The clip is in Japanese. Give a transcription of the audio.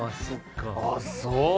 ああそう！